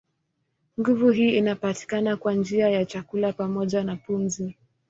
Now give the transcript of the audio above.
Nguvu hii inapatikana kwa njia ya chakula pamoja na pumzi.